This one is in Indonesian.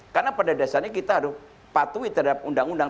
karena pada dasarnya kita harus patuhi terhadap undang undang